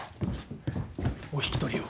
お引き取りを。